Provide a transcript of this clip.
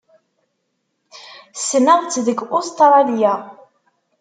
Ssneɣ-tt deg Ustṛalya.